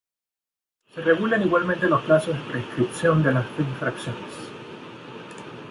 Se regulan igualmente los plazos de prescripción de las infracciones.